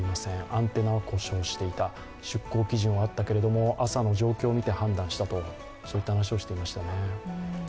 アンテナは故障していた、出港基準はあったけれども朝の状況を見て判断したといった話をしていましたね。